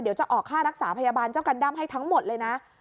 เดี๋ยวจะออกค่ารักษาพยาบาลเจ้ากันด้ำให้ทั้งหมดเลยนะ